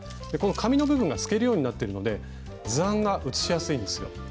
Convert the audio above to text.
この紙の部分が透けるようになってるので図案が写しやすいんですよ。